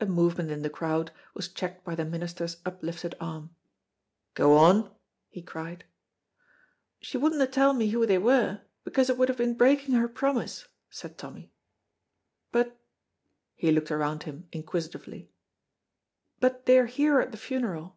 A movement in the crowd was checked by the minister's uplifted arm. "Go on," he cried. "She wouldna tell me who they were, because it would have been breaking her promise," said Tommy, "but" he looked around him inquisitively "but they're here at the funeral."